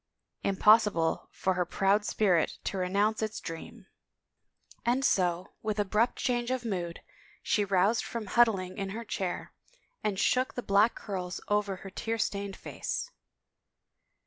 Impossible for her proud spirit to re nounce its dream! And so, with abrupt change of mood, she roused from huddling in her chair, and shook the black curls over her tear stained face.